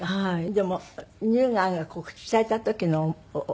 でも乳がんが告知された時の思いはどんな。